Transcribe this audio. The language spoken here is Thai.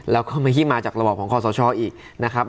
แล้วก็ไม่ใช่มาจากระบอบของคอสชอีกนะครับ